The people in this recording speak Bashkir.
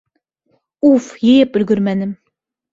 Уф, йыйып өлгөрмәнем.